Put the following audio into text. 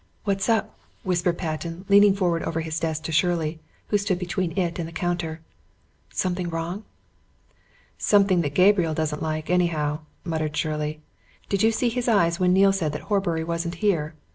"What's up?" whispered Patten, leaning forward over his desk to Shirley, who stood between it and the counter. "Something wrong?" "Something that Gabriel doesn't like, anyhow," muttered Shirley. "Did you see his eyes when Neale said that Horbury wasn't here?